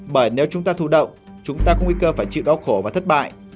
bởi nếu chúng ta thù động chúng ta cũng nguy cơ phải chịu đau khổ và thất bại